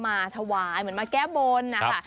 มาถวายเหมือนมาแก้บนนะคะ